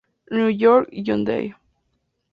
New York: John Day.